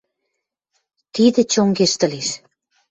Тидӹ чонгештӹлеш.